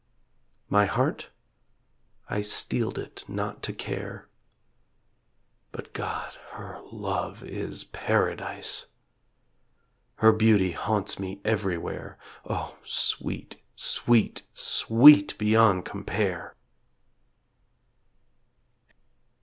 My heart? I steeled it not to care. ... But God! her love is paradise! Her beauty haunts me everywhere, O sweet, sweet, sweet beyond compare!